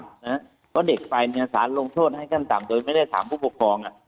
เพราะเด็กไปเนี่ยสารลงโทษให้ขั้นต่ำโดยไม่ได้ถามผู้ปกครอง